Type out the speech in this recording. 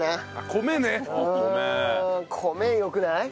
米良くない？